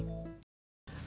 anh lưu hỏi về